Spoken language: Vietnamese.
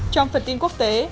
trong phần tin quốc tế